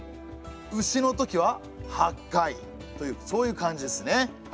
「丑のとき」は８回というそういう感じですね。